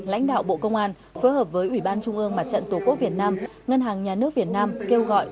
lãnh đạo bộ công an phối hợp với ủy ban trung ương mặt trận tổ quốc việt nam ngân hàng nhà nước việt nam kêu gọi